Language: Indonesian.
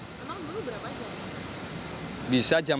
emang dulu berapa jam